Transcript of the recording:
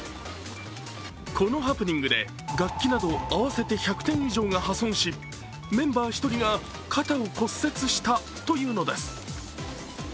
このハプニングで楽器など合わせて１００点以上が破損しメンバー１人が肩を骨折したというのです。